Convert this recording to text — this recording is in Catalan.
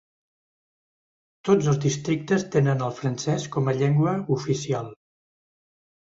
Tots els districtes tenen el francès com a llengua oficial.